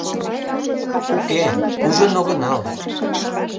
— Уке, ужын огынал.